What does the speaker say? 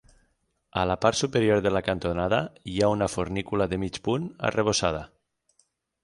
A la part superior de la cantonada hi ha una fornícula de mig punt arrebossada.